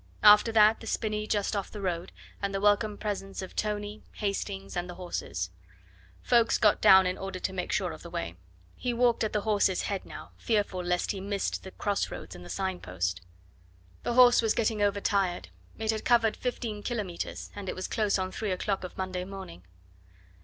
After that the spinney just off the road, and the welcome presence of Tony, Hastings, and the horses. Ffoulkes got down in order to make sure of the way. He walked at the horse's head now, fearful lest he missed the cross roads and the sign post. The horse was getting over tired; it had covered fifteen kilometres, and it was close on three o'clock of Monday morning.